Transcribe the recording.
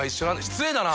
失礼だな！